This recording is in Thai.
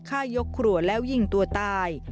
ฆ่ายกครัวแล้วยิงตัวตาย